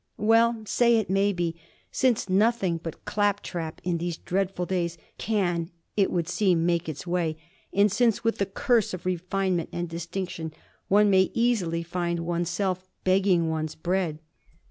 Well say it may be, since nothing but clap trap, in these dreadful days, can, it would seem, make its way, and since, with the curse of refinement and distinction, one may easily find one's self begging one's bread.